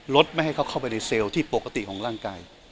ไม่ให้เขาเข้าไปในเซลล์ที่ปกติของร่างกาย